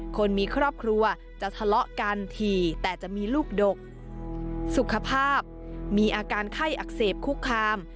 คนมีครอบครัวจะทะเลาะกันทีแต่จะมีลูกดกสุขภาพมีอาการไข้อักเสบคุกคาม